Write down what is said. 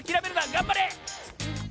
がんばれ！